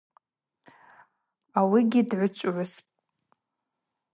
Ауыгьи дгӏвычӏвгӏвыспӏ.